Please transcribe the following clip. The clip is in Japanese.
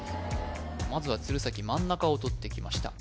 まずは鶴崎真ん中を取ってきました